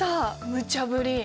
むちゃぶり！